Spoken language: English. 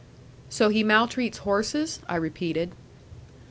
"So he maltreats horses?" I repeated.